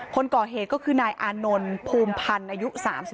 คนก่อเหตุก็คือนายอานนท์ภูมิพันธ์อายุ๓๒